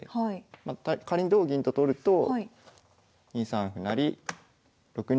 仮に同銀と取ると２三歩成６二